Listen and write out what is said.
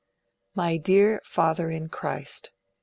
'MY DEAR FATHER IN CHRIST